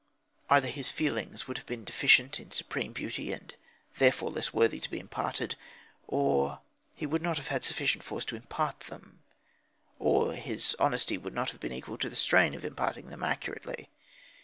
Either his feelings would have been deficient in supreme beauty, and therefore less worthy to be imparted, or he would not have had sufficient force to impart them; or his honesty would not have been equal to the strain of imparting them accurately.